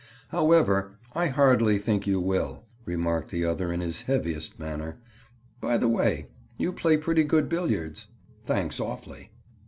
"However, I hardly think you will," remarked the other in his heaviest manner. "By the way, you play pretty good billiards." "Thanks awfully.